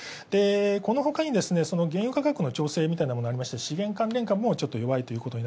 このほかに、原油価格の調整みたいなものありまして資源関連株も弱いという。